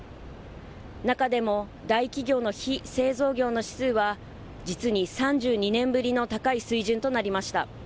中でも大企業の非製造業の指数は実に３２年ぶりの高い水準となりました。